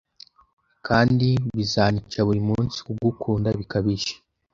Kandi bizanyica buri munsi kugukunda bikabije